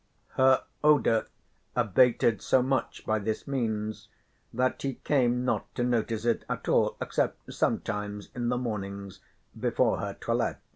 Her odour abated so much by this means that he came not to notice it at all except sometimes in the mornings before her toilet.